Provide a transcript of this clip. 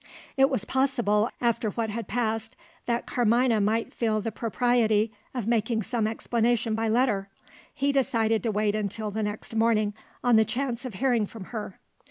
It was possible, after what had passed, that Carmina might feel the propriety of making some explanation by letter. He decided to wait until the next morning, on the chance of hearing from her.